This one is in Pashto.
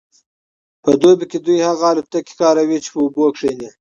په دوبي کې دوی هغه الوتکې کاروي چې په اوبو کیښني